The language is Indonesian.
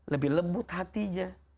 lebih lembut hatinya